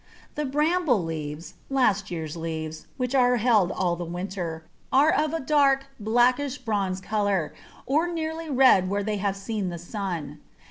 The bramble leaves last year's leaves, which are held all the winter are of a dark, blackish bronze colour, or nearly red where they have seen the sun.